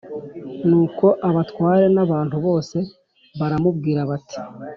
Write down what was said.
Nuko abatware n abantu bose baramubwira bati